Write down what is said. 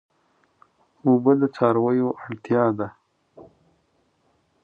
اوبه د څارویو اړتیا ده.